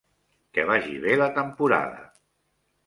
Que vagi bé la temporada.